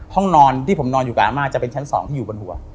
ห้องนอนที่ผมนอนอยู่กับอาม่าจะเป็นชั้น๒ที่อยู่บนหัว